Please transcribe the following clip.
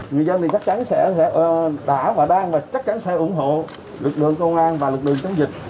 người dân thì chắc chắn sẽ đã và đang và chắc chắn sẽ ủng hộ lực lượng công an và lực lượng chống dịch